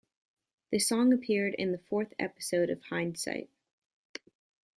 The song appeared in the fourth episode of "Hindsight".